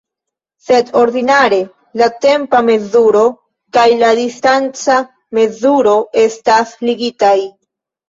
Sed ordinare la tempa mezuro kaj la distanca mezuro estas ligitaj.